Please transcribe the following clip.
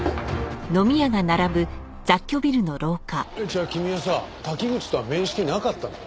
じゃあ君はさ滝口とは面識なかったの？